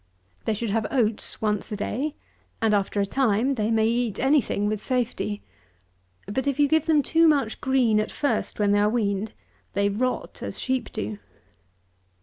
They should have oats once a day; and, after a time, they may eat any thing with safety. But if you give them too much green at first when they are weaned, they rot as sheep do.